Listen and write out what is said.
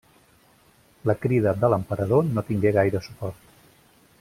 La crida de l'emperador no tingué gaire suport.